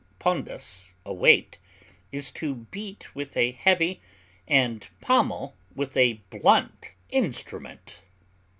pondus, a weight) is to beat with a heavy, and pommel with a blunt, instrument.